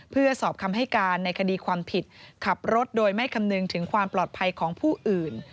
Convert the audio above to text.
เพื่อสอบคำให้การในคดีความผิดขับรถโดยไม่คำนึงถึงความปลอดภัยของผู้อื่น